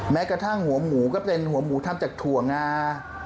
แม้กระทั่งหัวหมูก็เป็นหัวหมูทำจากถั่วงา